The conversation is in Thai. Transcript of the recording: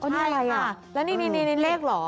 อ้อนี่อะไรครับแล้วนี่มีใช้เลขเหรอ